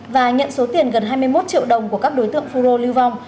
và nhận số tiền gần hai mươi một triệu đồng của các đối tượng phun rô lưu vong